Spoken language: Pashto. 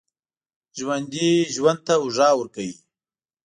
ژوندي ژوند ته اوږه ورکوي